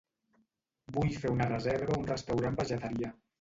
Vull fer una reserva a un restaurant vegetarià.